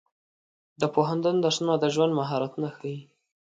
د پوهنتون درسونه د ژوند مهارتونه ښيي.